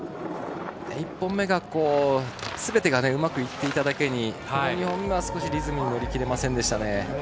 １本目ですべてがうまくいっていただけにこの２本目はリズムに乗り切れませんでした。